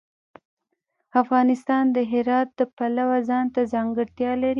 افغانستان د هرات د پلوه ځانته ځانګړتیا لري.